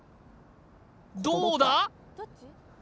どうだ？